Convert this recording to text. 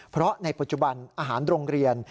เพราะในปัจจุบันอาหารโรงเรียน